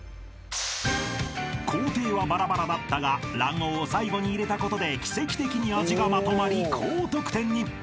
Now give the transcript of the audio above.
［工程はバラバラだったが卵黄を最後に入れたことで奇跡的に味がまとまり高得点に］